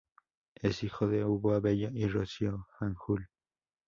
Es hijo de Hugo Abella y Rocío Fanjul.